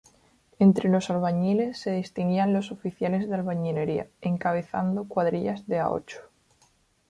Entre los albañiles se distinguían los oficiales de albañilería, encabezando cuadrillas de a ocho.